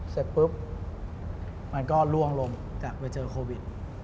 เสร็จปุ๊บมันก็ล่วงลงจากไปเจอโควิด